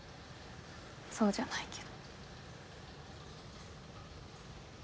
そうじゃないけど。